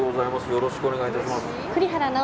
よろしくお願いします。